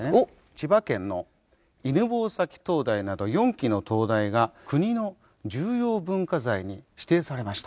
千葉県の犬吠埼灯台など４基の灯台が国の重要文化財に指定されました。